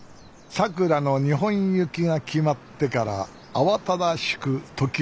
さくらの日本行きが決まってから慌ただしく時は過ぎ